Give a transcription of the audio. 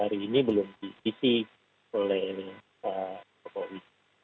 sampai hari ini belum dipisih oleh pak soko wid